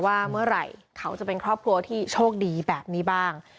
ว่าเมื่อไหร่เขาจะเป็นครอบครัวที่โชคดีแบบนี้บ้าง